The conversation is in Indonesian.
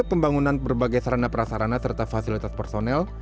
pembangunan berbagai sarana prasarana serta fasilitas personel